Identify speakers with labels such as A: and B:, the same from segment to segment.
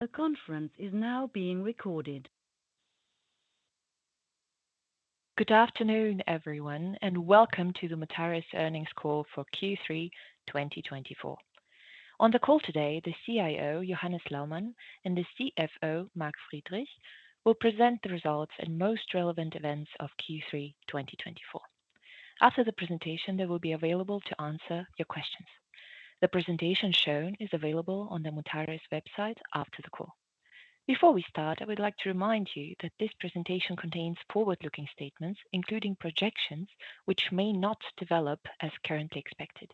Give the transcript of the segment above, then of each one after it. A: The conference is now being recorded. Good afternoon, everyone, and welcome to the Mutares Earnings Call for Q3 2024. On the call today, the CIO, Johannes Laumann, and the CFO, Mark Friedrich, will present the results and most relevant events of Q3 2024. After the presentation, they will be available to answer your questions. The presentation shown is available on the Mutares website after the call. Before we start, I would like to remind you that this presentation contains forward-looking statements, including projections which may not develop as currently expected.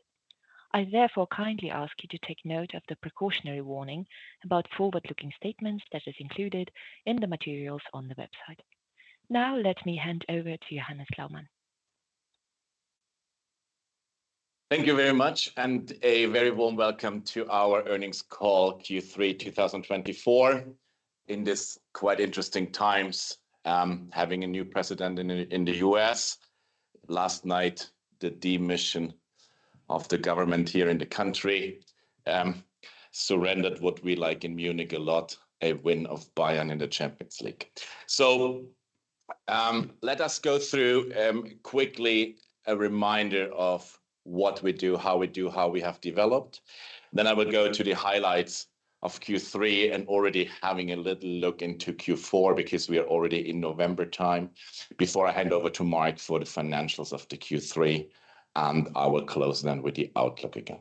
A: I therefore kindly ask you to take note of the precautionary warning about forward-looking statements that is included in the materials on the website. Now, let me hand over to Johannes Laumann.
B: Thank you very much, and a very warm welcome to our earnings call Q3 2024. In these quite interesting times, having a new president in the U.S., last night, the demission of the government here in the country, and what we like in Munich a lot, a win of Bayern in the Champions League. So let us go through quickly a reminder of what we do, how we do, how we have developed. Then I will go to the highlights of Q3 and already having a little look into Q4 because we are already in November time. Before I hand over to Mark for the financials of the Q3, I will close then with the outlook again.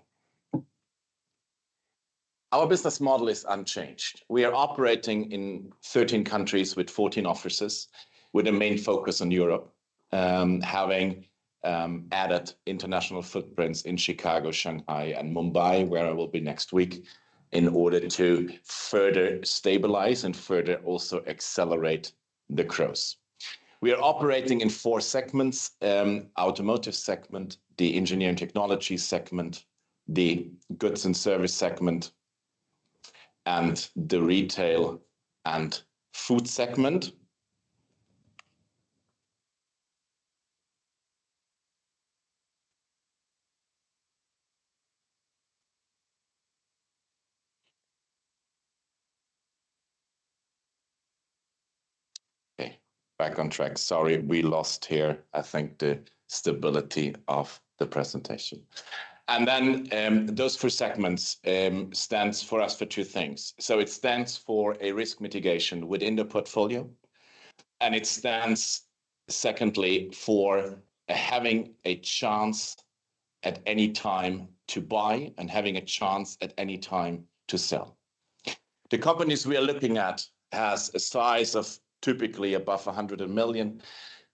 B: Our business model is unchanged. We are operating in 13 countries with 14 offices, with a main focus on Europe, having added international footprints in Chicago, Shanghai, and Mumbai, where I will be next week, in order to further stabilize and further also accelerate the growth. We are operating in four segments: the automotive segment, the engineering technology segment, the goods and service segment, and the retail and food segment. Okay, back on track. Sorry, we lost here, I think, the stability of the presentation, and then those three segments stand for us for two things, so it stands for a risk mitigation within the portfolio, and it stands secondly for having a chance at any time to buy and having a chance at any time to sell. The companies we are looking at have a size of typically above 100 million.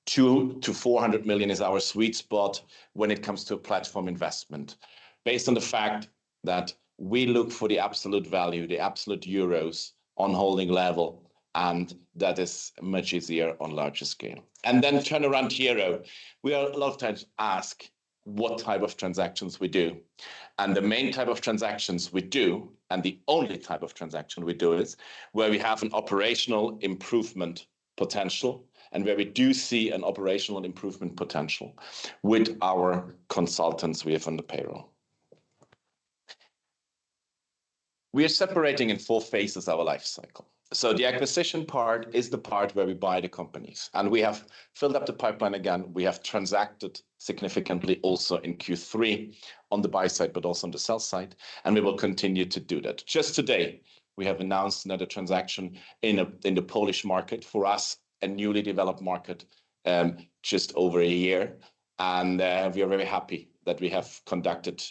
B: 2 to 400 million is our sweet spot when it comes to platform investment, based on the fact that we look for the absolute value, the absolute euros on holding level, and that is much easier on larger scale, and then turnaround to Euro. We are a lot of times asked what type of transactions we do. The main type of transactions we do, and the only type of transaction we do, is where we have an operational improvement potential and where we do see an operational improvement potential with our consultants we have on the payroll. We are separating in four phases our life cycle. The acquisition part is the part where we buy the companies, and we have filled up the pipeline again. We have transacted significantly also in Q3 on the buy side, but also on the sell side, and we will continue to do that. Just today, we have announced another transaction in the Polish market for us, a newly developed market, just over a year, and we are very happy that we have conducted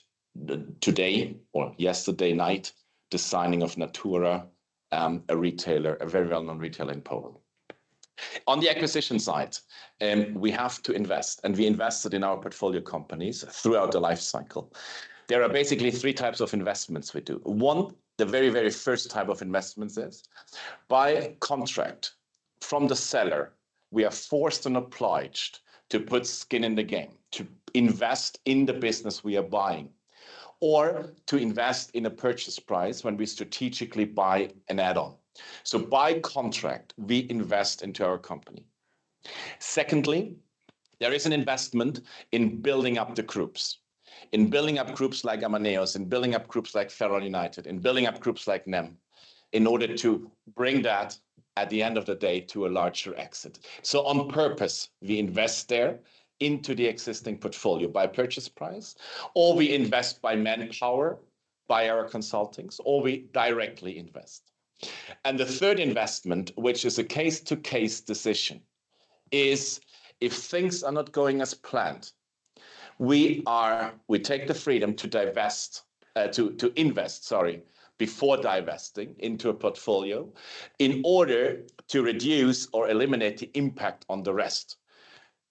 B: today or yesterday night the signing of Natura, a retailer, a very well-known retailer in Poland. On the acquisition side, we have to invest, and we invested in our portfolio companies throughout the life cycle. There are basically three types of investments we do. One, the very, very first type of investment is by contract from the seller. We are forced and obliged to put skin in the game, to invest in the business we are buying, or to invest in a purchase price when we strategically buy an add-on. By contract, we invest into our company. Secondly, there is an investment in building up the groups, in building up groups like Amaneos, in building up groups like FerrAl United, in building up groups like NEM Energy, in order to bring that at the end of the day to a larger exit. On purpose, we invest there into the existing portfolio by purchase price, or we invest by manpower, by our consultants, or we directly invest. The third investment, which is a case-to-case decision, is if things are not going as planned, we take the freedom to divest, to invest, sorry, before divesting into a portfolio in order to reduce or eliminate the impact on the rest.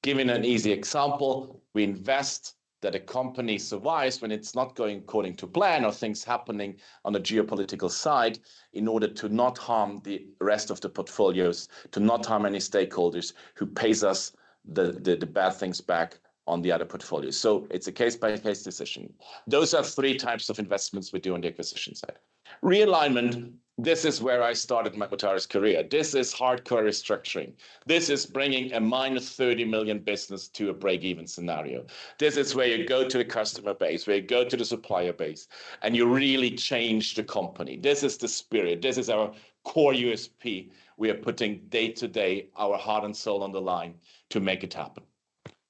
B: Giving an easy example, we invest that a company survives when it's not going according to plan or things happening on the geopolitical side in order to not harm the rest of the portfolios, to not harm any stakeholders who pay us the bad things back on the other portfolio. So it's a case-by-case decision. Those are three types of investments we do on the acquisition side. Realignment, this is where I started my Mutares career. This is hardcore restructuring. This is bringing a -30 million business to a break-even scenario. This is where you go to the customer base, where you go to the supplier base, and you really change the company. This is the spirit. This is our core USP. We are putting day to day our heart and soul on the line to make it happen.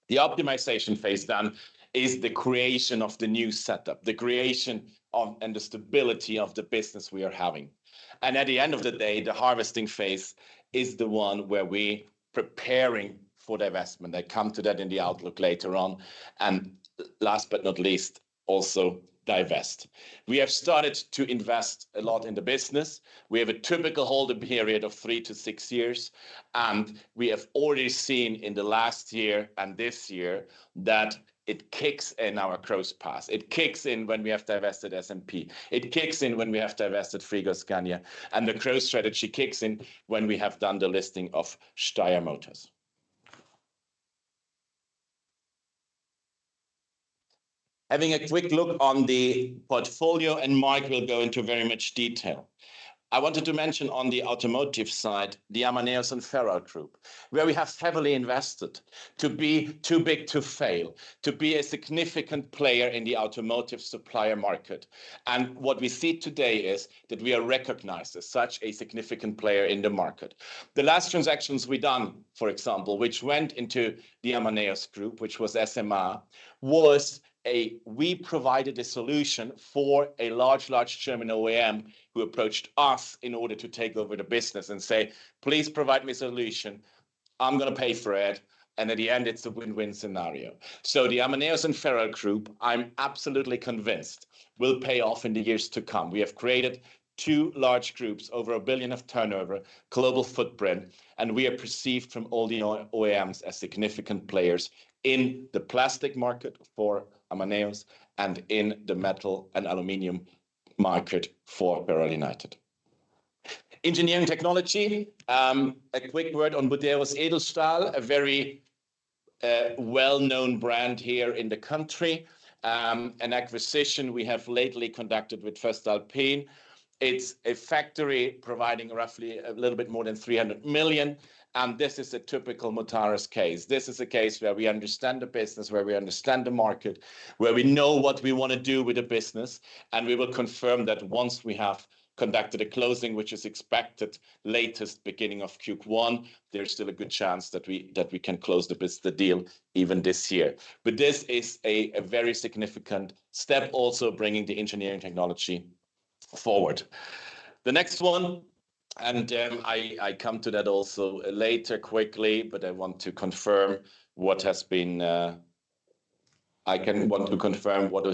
B: The optimization phase then is the creation of the new setup, the creation of, and the stability of the business we are having. At the end of the day, the harvesting phase is the one where we are preparing for divestment. I come to that in the outlook later on. Last but not least, also divest. We have started to invest a lot in the business. We have a typical holding period of three to six years, and we have already seen in the last year and this year that it kicks in our growth path. It kicks in when we have divested SMP. It kicks in when we have divested Frigoscandia, and the growth strategy kicks in when we have done the listing of Steyr Motors. Having a quick look on the portfolio, and Mark will go into very much detail. I wanted to mention on the automotive side, the Amaneos and FerrAl United, where we have heavily invested to be too big to fail, to be a significant player in the automotive supplier market, and what we see today is that we are recognized as such a significant player in the market. The last transactions we done, for example, which went into the Amaneos Group, which was SMR, was, we provided a solution for a large, large German OEM who approached us in order to take over the business and say, "Please provide me a solution. I'm going to pay for it." And at the end, it's a win-win scenario, so the Amaneos and FerrAl United, I'm absolutely convinced, will pay off in the years to come. We have created two large groups over 1 billion of turnover, global footprint, and we are perceived from all the OEMs as significant players in the plastic market for Amaneos and in the metal and aluminum market for FerrAl United. Engineering technology, a quick word on Buderus Edelstahl, a very well-known brand here in the country, an acquisition we have lately conducted with voestalpine. It's a factory providing roughly a little bit more than 300 million. And this is a typical Mutares case. This is a case where we understand the business, where we understand the market, where we know what we want to do with the business. And we will confirm that once we have conducted a closing, which is expected latest beginning of Q1, there's still a good chance that we can close the deal even this year. But this is a very significant step, also bringing the engineering technology forward. The next one, and I come to that also later quickly, but I want to confirm what is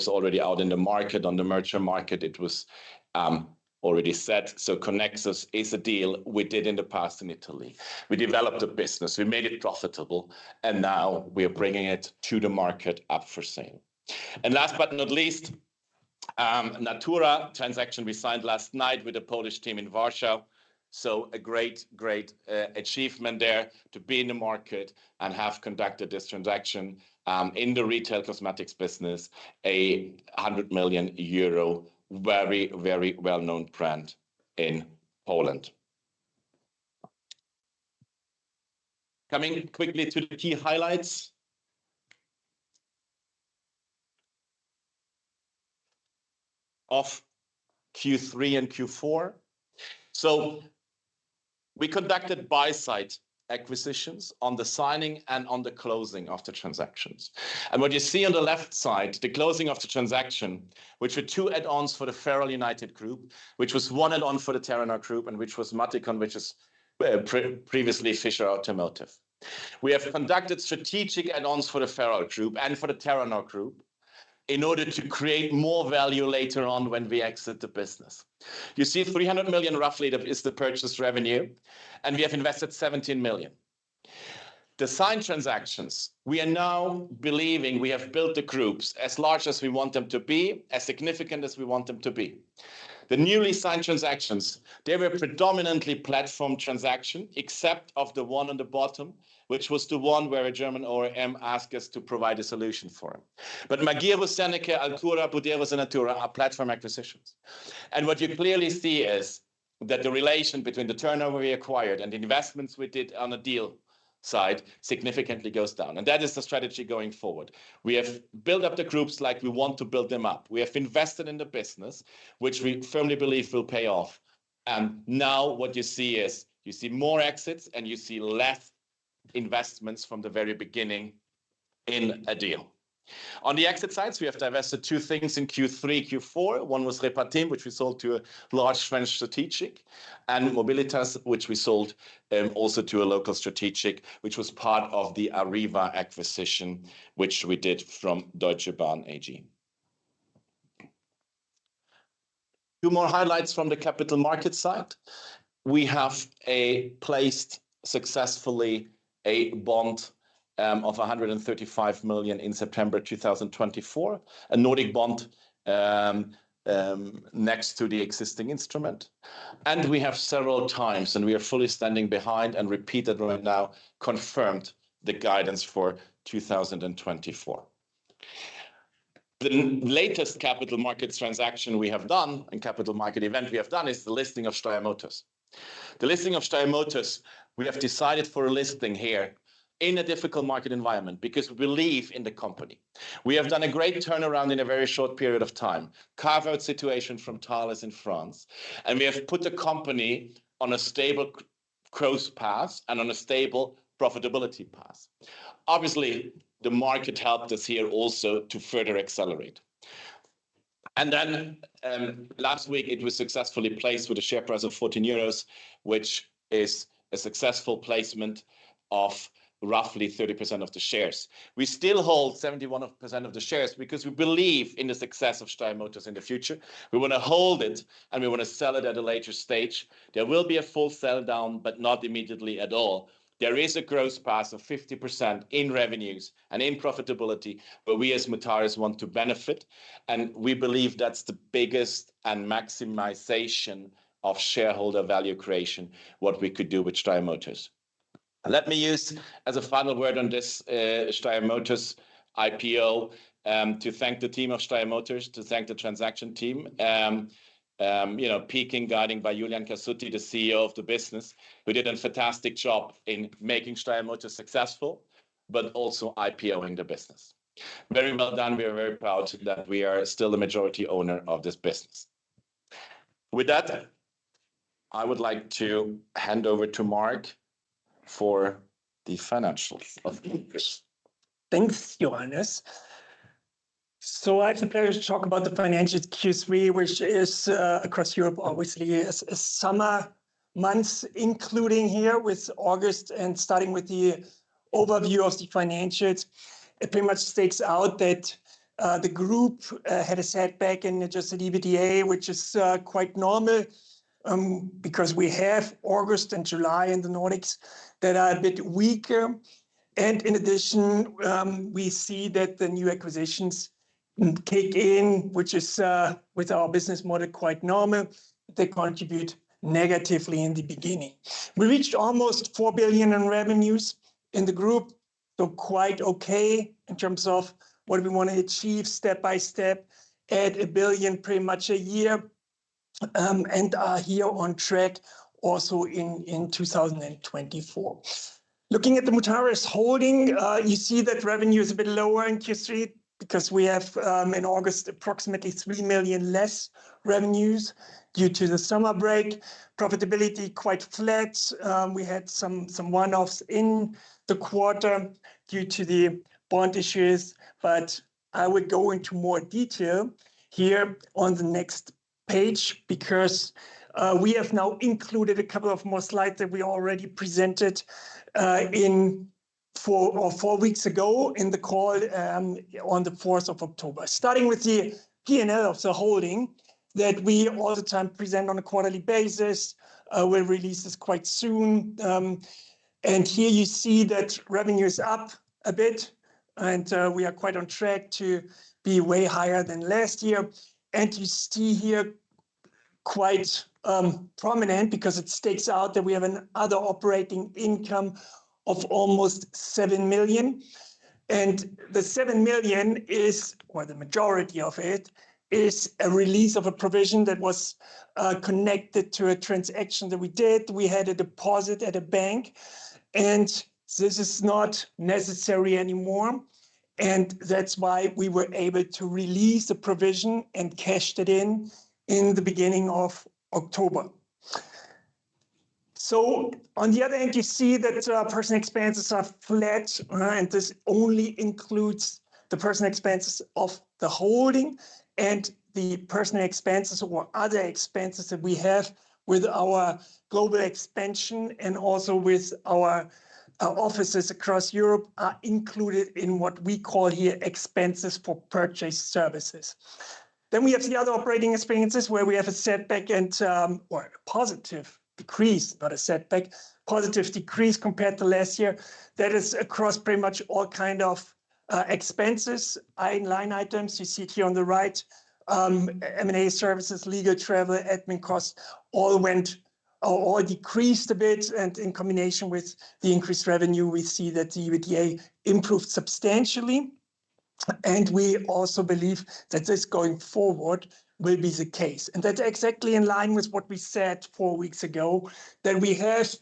B: already out in the market on the merchant market. It was already said. So Conexus is a deal we did in the past in Italy. We developed a business. We made it profitable, and now we are bringing it to the market up for sale. And last but not least, Natura transaction we signed last night with the Polish team in Warsaw. So a great, great achievement there to be in the market and have conducted this transaction in the retail cosmetics business, a 100 million euro, very, very well-known brand in Poland. Coming quickly to the key highlights of Q3 and Q4. We conducted buy-side acquisitions on the signing and on the closing of the transactions. And what you see on the left side, the closing of the transaction, which were two add-ons for the FerrAl United Group, which was one add-on for the Terranor Group, and which was MatiKon, which is previously Fischer Automotive. We have conducted strategic add-ons for the FerrAl Group and for the Terranor Group in order to create more value later on when we exit the business. You see 300 million roughly is the purchase revenue, and we have invested 17 million. The signed transactions. We are now believing we have built the groups as large as we want them to be, as significant as we want them to be. The newly signed transactions, they were predominantly platform transactions, except for the one on the bottom, which was the one where a German OEM asked us to provide a solution for him. But Magirus was Seneca, Altura, Buderus was in Natura are platform acquisitions. And what you clearly see is that the relation between the turnover we acquired and the investments we did on the deal side significantly goes down. And that is the strategy going forward. We have built up the groups like we want to build them up. We have invested in the business, which we firmly believe will pay off. And now what you see is you see more exits, and you see less investments from the very beginning in a deal. On the exit sides, we have divested two things in Q3, Q4. One was Repartim, which we sold to a large French strategic, and Mobilitas, which we sold also to a local strategic, which was part of the Arriva acquisition, which we did from Deutsche Bahn AG. Two more highlights from the capital market side. We have placed successfully a bond of 135 million in September 2024, a Nordic bond next to the existing instrument, and we have several times, and we are fully standing behind and repeated right now, confirmed the guidance for 2024. The latest capital market transaction we have done and capital market event we have done is the listing of Steyr Motors. The listing of Steyr Motors, we have decided for a listing here in a difficult market environment because we believe in the company. We have done a great turnaround in a very short period of time, carve-out situation from Thales in France, and we have put the company on a stable growth path and on a stable profitability path. Obviously, the market helped us here also to further accelerate. And then last week, it was successfully placed with a share price of 14 euros, which is a successful placement of roughly 30% of the shares. We still hold 71% of the shares because we believe in the success of Steyr Motors in the future. We want to hold it, and we want to sell it at a later stage. There will be a full sell down, but not immediately at all. There is a growth path of 50% in revenues and in profitability, but we as Mutares want to benefit. We believe that's the biggest and maximization of shareholder value creation, what we could do with Steyr Motors. Let me use this as a final word on this Steyr Motors IPO to thank the team of Steyr Motors, to thank the transaction team, you know, led by Julian Cassutti, the CEO of the business. We did a fantastic job in making Steyr Motors successful, but also IPOing the business. Very well done. We are very proud that we are still the majority owner of this business. With that, I would like to hand over to Mark for the financials of the year.
C: Thanks, Johannes. I'd like to talk about the financials Q3, which is across Europe, obviously the summer months, including here with August and starting with the overview of the financials. It pretty much stakes out that the group had a setback in just the Adjusted EBITDA, which is quite normal because we have August and July in the Nordics that are a bit weaker, and in addition, we see that the new acquisitions kick in, which is with our business model quite normal. They contribute negatively in the beginning. We reached almost 4 billion in revenues in the group, so quite okay in terms of what we want to achieve step by step, at 1 billion pretty much a year, and are here on track also in 2024. Looking at the Mutares holding, you see that revenue is a bit lower in Q3 because we have in August approximately 3 million less revenues due to the summer break. Profitability quite flat. We had some one-offs in the quarter due to the bond issues, but I would go into more detail here on the next page because we have now included a couple of more slides that we already presented four weeks ago in the call on the 4th of October. Starting with the P&L of the holding that we all the time present on a quarterly basis. We'll release this quite soon. Here you see that revenue is up a bit, and we are quite on track to be way higher than last year. You see here quite prominent because it stakes out that we have another operating income of almost 7 million. The 7 million is, or the majority of it, is a release of a provision that was connected to a transaction that we did. We had a deposit at a bank, and this is not necessary anymore. That's why we were able to release the provision and cashed it in in the beginning of October. On the other hand, you see that personal expenses are flat, and this only includes the personal expenses of the holding. The personal expenses or other expenses that we have with our global expansion and also with our offices across Europe are included in what we call here expenses for purchase services. We have the other operating expenses where we have a setback and/or a positive decrease, not a setback, positive decrease compared to last year. That is across pretty much all kind of expenses, line items. You see it here on the right, M&A services, legal travel, admin costs, all went or all decreased a bit. In combination with the increased revenue, we see that the EBITDA improved substantially. We also believe that this going forward will be the case. That's exactly in line with what we said four weeks ago that we have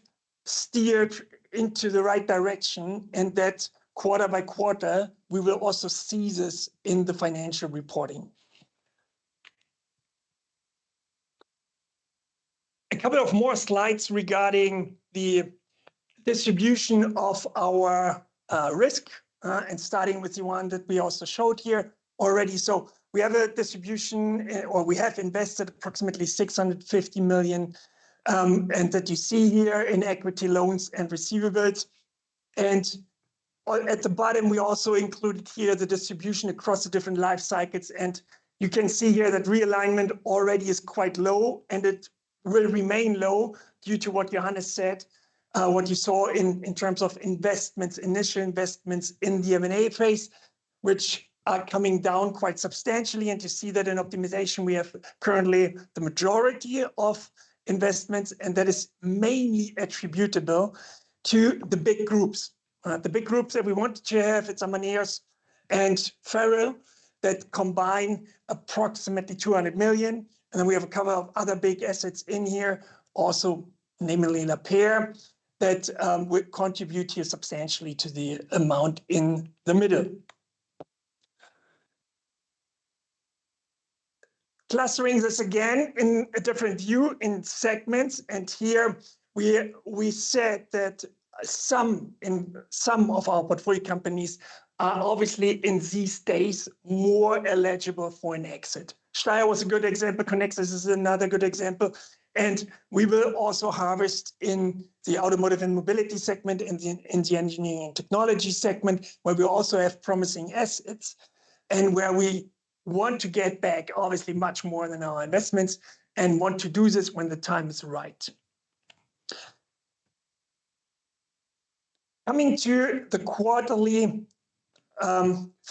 C: steered into the right direction and that quarter by quarter, we will also see this in the financial reporting. A couple of more slides regarding the distribution of our risk and starting with the one that we also showed here already. We have a distribution or we have invested approximately 650 million and that you see here in equity loans and receivables. At the bottom, we also included here the distribution across the different life cycles. You can see here that realignment already is quite low and it will remain low due to what Johannes said, what you saw in terms of investments, initial investments in the M&A phase, which are coming down quite substantially. You see that in optimization, we have currently the majority of investments, and that is mainly attributable to the big groups. The big groups that we wanted to have at Amaneos and FerrAl that combine approximately 200 million. Then we have a couple of other big assets in here, also namely Lapeyre that would contribute here substantially to the amount in the middle. Clustering this again in a different view in segments. Here we said that some of our portfolio companies are obviously in these days more eligible for an exit. Steyr was a good example. Conexus is another good example. We will also harvest in the automotive and mobility segment and the engineering and technology segment where we also have promising assets and where we want to get back obviously much more than our investments and want to do this when the time is right. Coming to the quarterly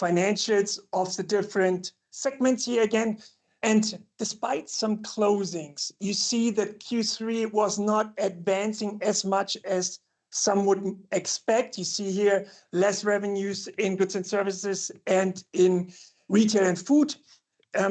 C: financials of the different segments here again. Despite some closings, you see that Q3 was not advancing as much as some would expect. You see here less revenues in goods and services and in retail and food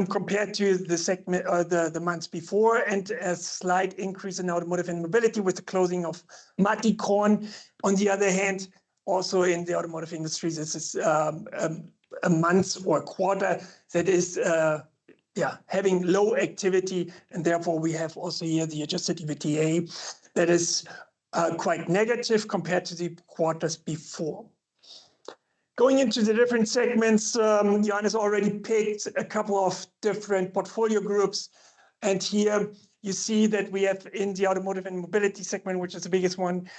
C: compared to the segment or the months before and a slight increase in automotive and mobility with the closing of MatiKon. On the other hand, also in the automotive industry, this is a month or a quarter that is, yeah, having low activity. Therefore we have also here the Adjusted EBITDA that is quite negative compared to the quarters before. Going into the different segments, Johannes already picked a couple of different portfolio groups. And here you see that we have in the automotive and mobility segment, which is the biggest one,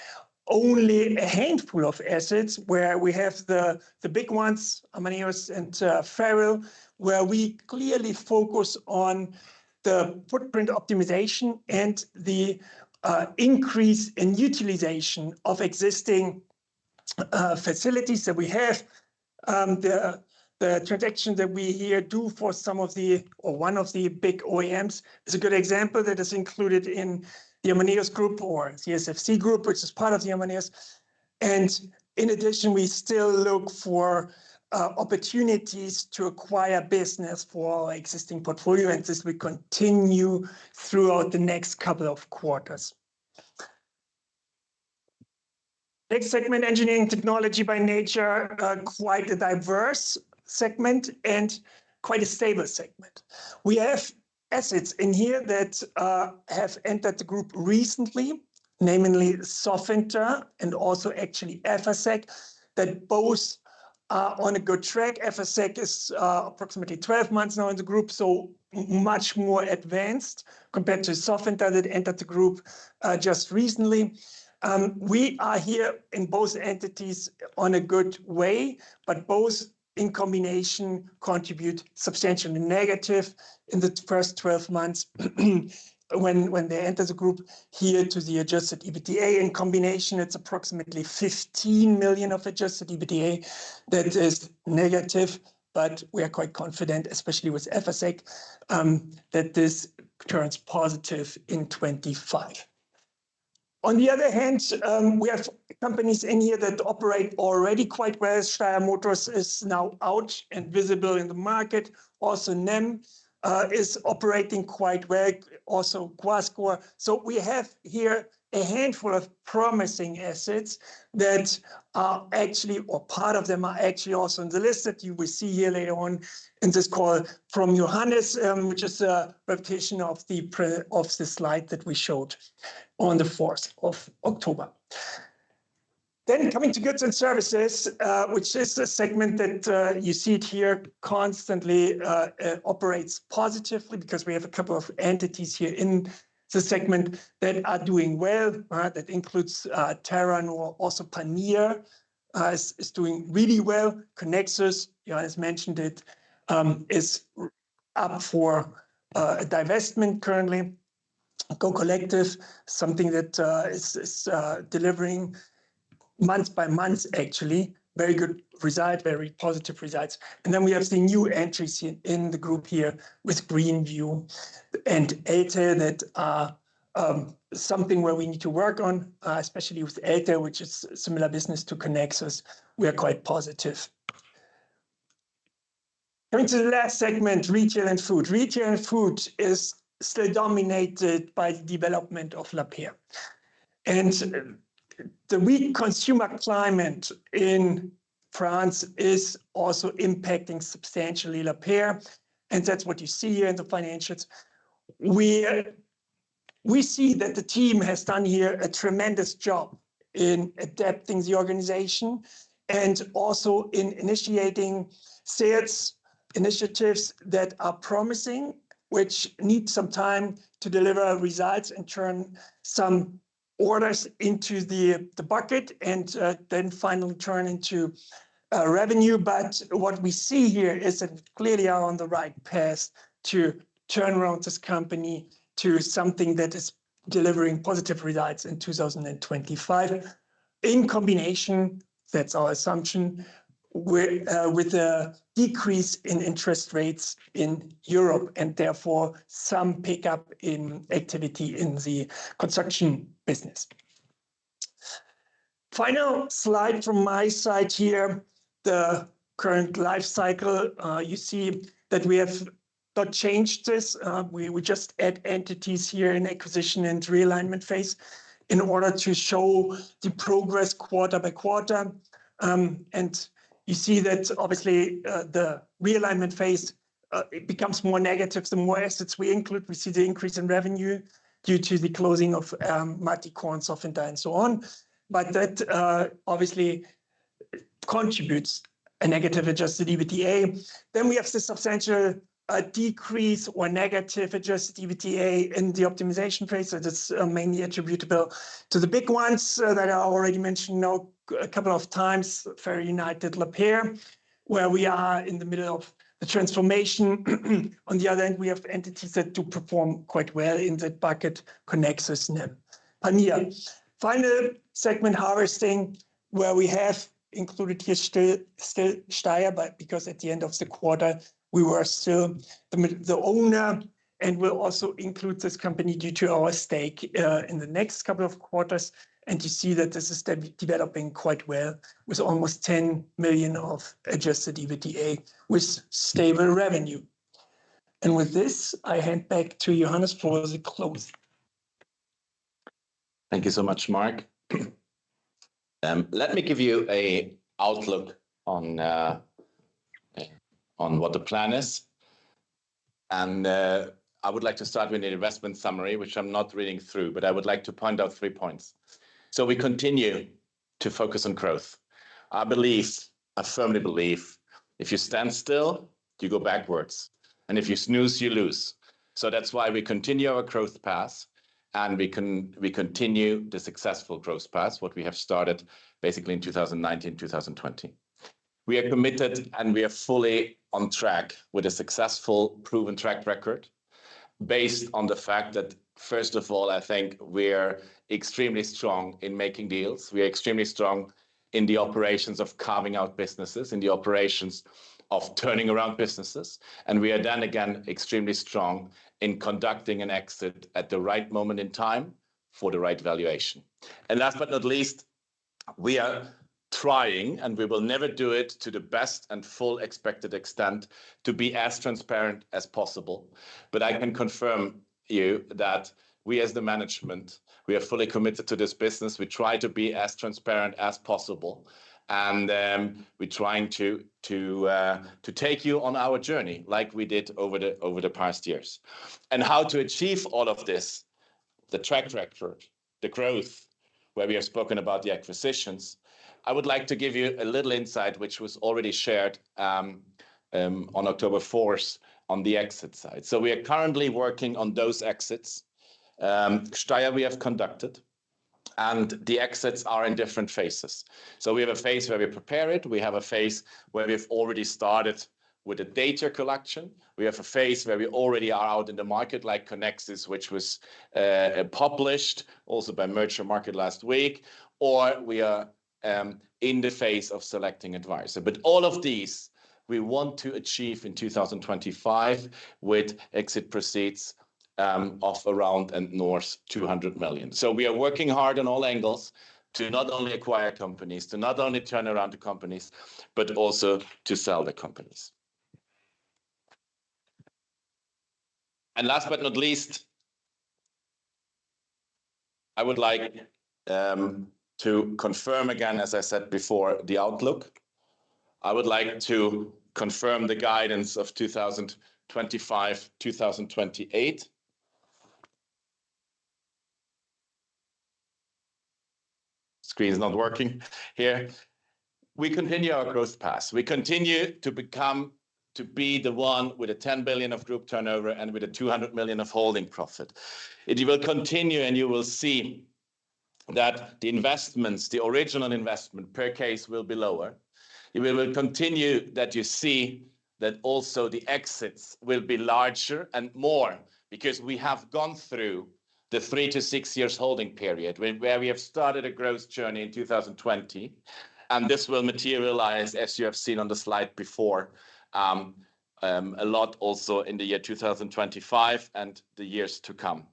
C: only a handful of assets where we have the big ones, Amaneos and FerrAl, where we clearly focus on the footprint optimization and the increase in utilization of existing facilities that we have. The transaction that we here do for some of the or one of the big OEMs is a good example that is included in the Amaneos group or CSFC group, which is part of the Amaneos. And in addition, we still look for opportunities to acquire business for our existing portfolio. And this will continue throughout the next couple of quarters. Next segment, engineering technology by nature, quite a diverse segment and quite a stable segment. We have assets in here that have entered the group recently, namely Sofinter and also actually Efacec that both are on a good track. Efacec is approximately 12 months now in the group, so much more advanced compared to Sofinter that entered the group just recently. We are here in both entities on a good way, but both in combination contribute substantially negative in the first 12 months when they enter the group here to the Adjusted EBITDA. In combination, it's approximately 15 million of Adjusted EBITDA that is negative, but we are quite confident, especially with Efacec, that this turns positive in 25. On the other hand, we have companies in here that operate already quite well. Steyr Motors is now out and visible in the market. Also, NEM is operating quite well, also Guascor. We have here a handful of promising assets that are actually, or part of them are actually also in the list that you will see here later on in this call from Johannes, which is a repetition of the slide that we showed on the 4th of October. Coming to goods and services, which is the segment that you see it here constantly operates positively because we have a couple of entities here in the segment that are doing well. That includes Terranor, also Palmia is doing really well. Conexus, Johannes mentioned it, is up for divestment currently. Go Collective, something that is delivering month by month, actually very good results, very positive results. We have the new entries in the group here with Greenview and Asteri that are something where we need to work on, especially with Asteri, which is a similar business to Conexus. We are quite positive. Coming to the last segment, Retail and Food. Retail and Food is still dominated by the development of Lapeyre, and the weak consumer climate in France is also impacting substantially Lapeyre, and that's what you see here in the financials. We see that the team has done here a tremendous job in adapting the organization and also in initiating sales initiatives that are promising, which need some time to deliver results and turn some orders into the bucket and then finally turn into revenue, but what we see here is that clearly we are on the right path to turn around this company to something that is delivering positive results in 2025. In combination, that's our assumption, with a decrease in interest rates in Europe and therefore some pickup in activity in the construction business. Final slide from my side here: the current life cycle. You see that we have not changed this. We just add entities here in acquisition and realignment phase in order to show the progress quarter by quarter, and you see that obviously the realignment phase becomes more negative. The more assets we include, we see the increase in revenue due to the closing of Maticon, Sofinter, and so on, but that obviously contributes a negative adjusted EBITDA, then we have the substantial decrease or negative adjusted EBITDA in the optimization phase, so this is mainly attributable to the big ones that I already mentioned a couple of times, FerrAl United, Lapeyre, where we are in the middle of the transformation. On the other hand, we have entities that do perform quite well in that bucket, Conexus, NEM, Palmia. Final segment harvesting where we have included here still Steyr, but because at the end of the quarter, we were still the owner and will also include this company due to our stake in the next couple of quarters. You see that this is developing quite well with almost 10 million of Adjusted EBITDA with stable revenue. With this, I hand back to Johannes for the close.
B: Thank you so much, Mark. Let me give you an outlook on what the plan is. I would like to start with an investment summary, which I'm not reading through, but I would like to point out three points, so we continue to focus on growth. Our belief, a firm belief, if you stand still, you go backwards, and if you snooze, you lose. So that's why we continue our growth path and we continue the successful growth path, what we have started basically in 2019, 2020. We are committed and we are fully on track with a successful proven track record based on the fact that, first of all, I think we're extremely strong in making deals. We are extremely strong in the operations of carving out businesses, in the operations of turning around businesses. And we are then again extremely strong in conducting an exit at the right moment in time for the right valuation. And last but not least, we are trying and we will never do it to the best and full expected extent to be as transparent as possible. But I can confirm you that we as the management, we are fully committed to this business. We try to be as transparent as possible. We're trying to take you on our journey like we did over the past years, and how to achieve all of this, the track record, the growth where we have spoken about the acquisitions. I would like to give you a little insight, which was already shared on October 4th on the exit side. We are currently working on those exits. Steyr, we have conducted. The exits are in different phases. We have a phase where we prepare it. We have a phase where we have already started with the data collection. We have a phase where we already are out in the market like Conexus, which was published also by Mergermarket last week, or we are in the phase of selecting advisor. But all of these we want to achieve in 2025 with exit proceeds of around and north of 200 million. So we are working hard on all angles to not only acquire companies, to not only turn around to companies, but also to sell the companies. And last but not least, I would like to confirm again, as I said before, the outlook. I would like to confirm the guidance of 2025, 2028. Screen's not working here. We continue our growth path. We continue to become to be the one with a 10 billion of group turnover and with a 200 million of holding profit. It will continue and you will see that the investments, the original investment per case will be lower. It will continue that you see that also the exits will be larger and more because we have gone through the three-to-six years holding period where we have started a growth journey in 2020. And this will materialize, as you have seen on the slide before, a lot also in the year 2025 and the years to come.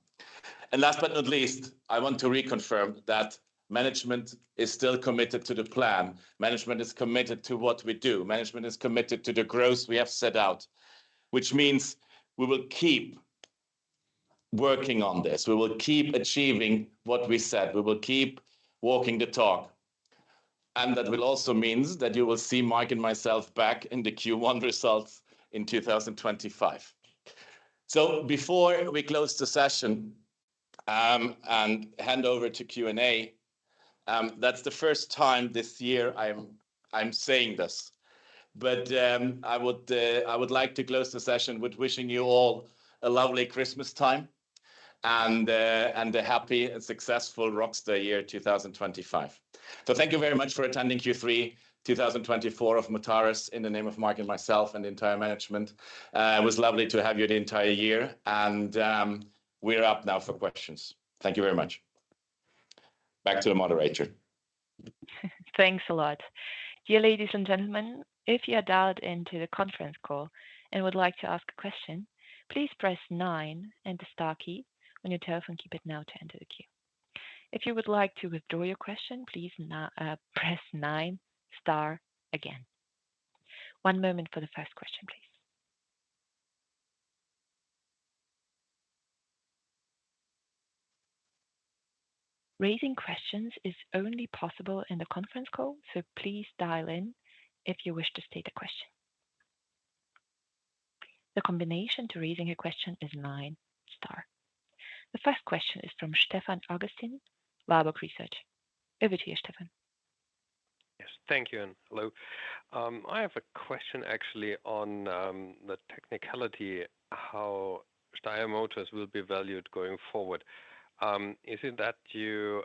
B: And last but not least, I want to reconfirm that management is still committed to the plan. Management is committed to what we do. Management is committed to the growth we have set out, which means we will keep working on this. We will keep achieving what we said. We will keep walking the talk. And that will also mean that you will see Mark and myself back in the Q1 results in 2025. So before we close the session and hand over to Q&A, that's the first time this year I'm saying this. But I would like to close the session with wishing you all a lovely Christmas time and a happy and successful Rockstar Year 2025. So thank you very much for attending Q3 2024 of Mutares in the name of Mark and myself and the entire management. It was lovely to have you the entire year. And we're up now for questions. Thank you very much. Back to the moderator.
A: Thanks a lot. Dear ladies and gentlemen, if you are dialed into the conference call and would like to ask a question, please press nine and the star key on your telephone keypad now to enter the queue. If you would like to withdraw your question, please press nine, star again. One moment for the first question, please. Raising questions is only possible in the conference call, so please dial in if you wish to state a question. The combination to raising a question is nine, star. The first question is from Stefan Augustin, Warburg Research. Over to you, Stefan.
D: Yes, thank you and hello. I have a question actually on the technicality, how Steyr Motors will be valued going forward. Is it that you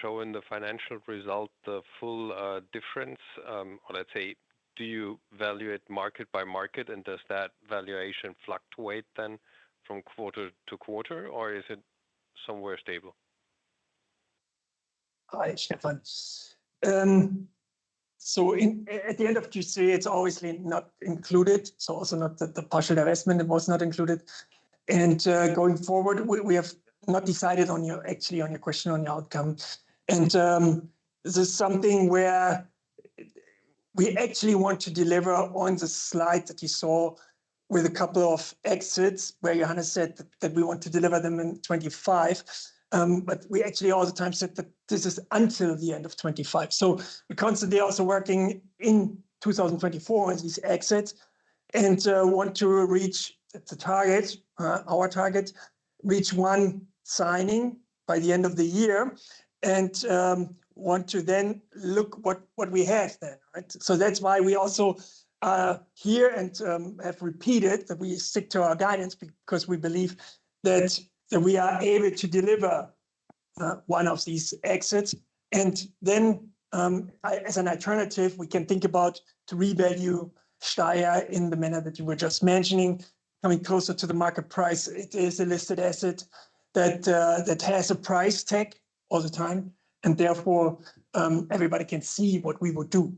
D: show in the financial result the full difference, or let's say, do you value it market by market, and does that valuation fluctuate then from quarter to quarter, or is it somewhere stable?
C: Hi, Stefan. So at the end of Q3, it's obviously not included. So also not that the partial investment was not included. And going forward, we have not decided on your actually on your question on your outcome. And this is something where we actually want to deliver on the slide that you saw with a couple of exits where Johannes said that we want to deliver them in 2025. But we actually all the time said that this is until the end of 2025. So we're constantly also working in 2024 on these exits and want to reach the target, our target, reach one signing by the end of the year and want to then look what we have then, right? So that's why we also here and have repeated that we stick to our guidance because we believe that we are able to deliver one of these exits. And then as an alternative, we can think about to revalue Steyr in the manner that you were just mentioning, coming closer to the market price. It is a listed asset that has a price tag all the time, and therefore everybody can see what we would do.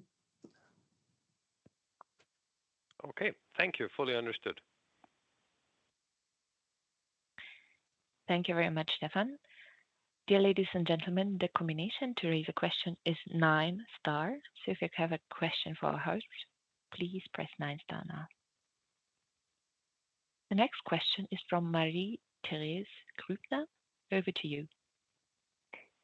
D: Okay, thank you. Fully understood.
A: Thank you very much, Stefan. Dear ladies and gentlemen, the combination to raise a question is nine, star. So if you have a question for our host, please press nine, star now. The next question is from Marie-Thérèse Grübner. Over to you.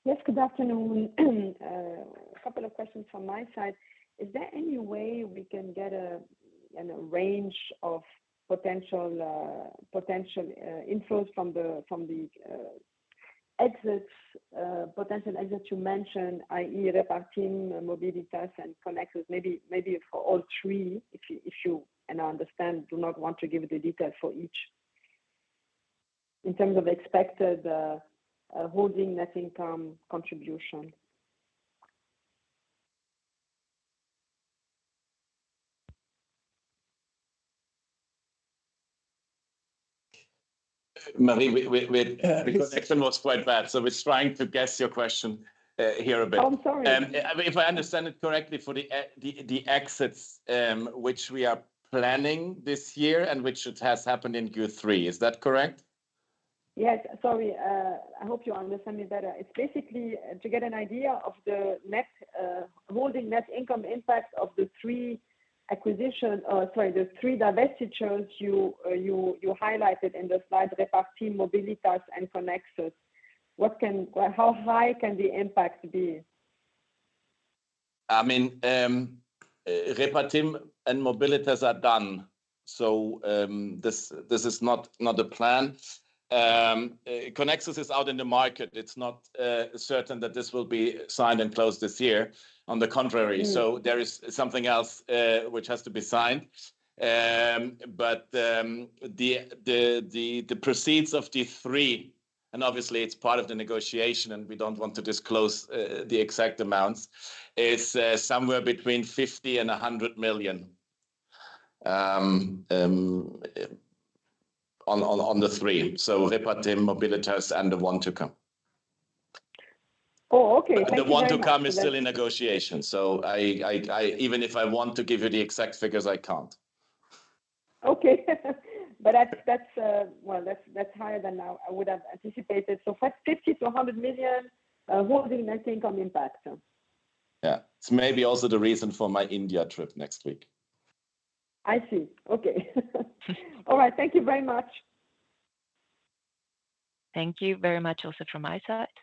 A: Yes, good afternoon. A couple of questions from my side. Is there any way we can get a range of potential infos from the exits, potential exits you mentioned, i.e., Repartim, Mobilitas, and Conexus? Maybe for all three, if you, and I understand, do not want to give the details for each in terms of expected holding, net income contribution.
B: Marie, the connection is mostly quite bad. So we're trying to guess your question here a bit. Oh, I'm sorry. If I understand it correctly, for the exits, which we are planning this year and which has happened in Q3, is that correct? Yes, sorry. I hope you understand me better. It's basically to get an idea of the net holding, net income impact of the three acquisition, sorry, the three divestitures you highlighted in the slide, Repartim, Mobilitas, and Conexus. How high can the impact be? I mean, Repartim and Mobilitas are done. So this is not the plan. Conexus is out in the market. It's not certain that this will be signed and closed this year. On the contrary, so there is something else which has to be signed. But the proceeds of the three, and obviously it's part of the negotiation and we don't want to disclose the exact amounts, is somewhere between 50 million and 100 million on the three. So Repartim, Mobilitas, and the one to come. Oh, okay. Thank you very much. The one to come is still in negotiation. So even if I want to give you the exact figures, I can't. Okay. But that's higher than I would have anticipated. So 50-100 million holding net income impact. Yeah. It's maybe also the reason for my India trip next week. I see. Okay. All right. Thank you very much.
A: Thank you very much also from my side.